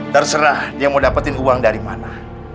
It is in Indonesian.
terserah dia mau dapetin uang dari mana